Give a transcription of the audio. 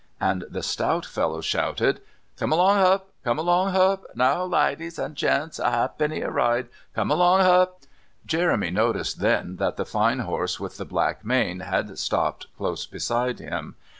And the stout fellow shouted: "Come along hup! Come along hup! Now, lidies and gents! A 'alfpenny a ride! Come along hup!" Jeremy noticed then that the fine horse with the black mane had stopped close beside him.